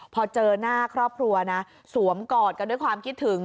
พอเจอหน้าครอบครัวนะสวมกอดกันด้วยความคิดถึง